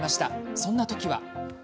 そんなときは。